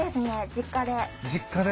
実家で？